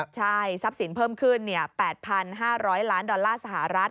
ใช่ทรัพย์สินเพิ่มขึ้น๘๕๐๐ล้านดอลลาร์สหรัฐ